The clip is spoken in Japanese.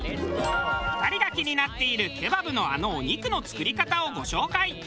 ２人が気になっているケバブのあのお肉の作り方をご紹介。